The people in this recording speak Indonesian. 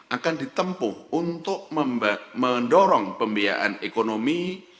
akan ditempuh untuk mendorong pembiayaan ekonomi